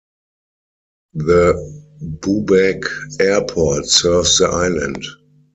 The Bubaque airport serves the island.